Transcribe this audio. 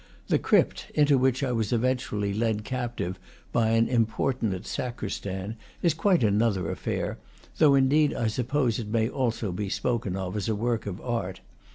The crypt, into which I was eventually led captive by an importunate sacristan, is quite another affair, though indeed I suppose it may also be spoken of as a work of art.